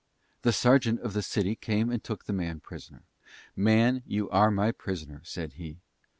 The sergeant of the city came and took the man prisoner. "Man, you are my prisoner," said he.